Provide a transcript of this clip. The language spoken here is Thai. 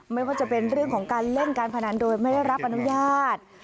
ไม่ว่าจะเป็นเรื่องของการเล่นการพนันโดยไม่ได้รับอนุญาต